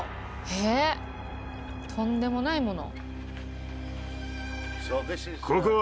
えっとんでもないモノ？